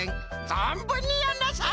ぞんぶんにやんなさい。